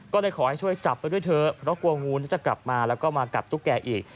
ก็เลยขอให้ช่วยจับไปด้วยเถอะเพราะกลัวงูนี่จะกลับมาแล้วก็มากัดตุ๊กแกอีก